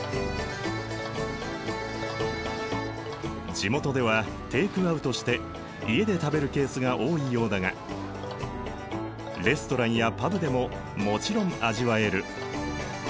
地元ではテイクアウトして家で食べるケースが多いようだがレストランやパブでももちろん味わえる。